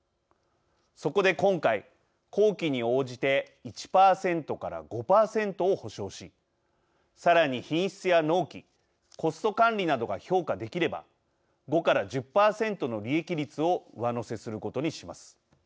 そこで今回、工期に応じて１％から５％を保障しさらに品質や納期コスト管理などが評価できれば５から１０％の利益率を上乗せすることにします。